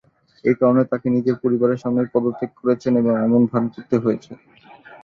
এই কারণে, তাকে নিজের পরিবারের সামনেই পদত্যাগ করেছেন এমন ভান করতে হয়েছে।